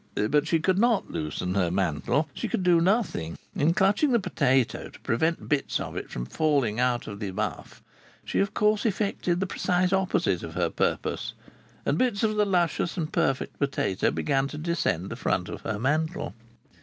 But she could not loosen her mantle. She could do nothing. In clutching the potato to prevent bits of it from falling out of the muff, she of course effected the precise opposite of her purpose, and bits of the luscious and perfect potato began to descend the front of her mantle.